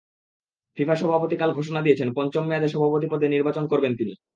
FIFA সভাপতি কাল ঘোষণা দিয়েছেন, পঞ্চম মেয়াদে সভাপতি পদে নির্বাচন করবেন তিনি।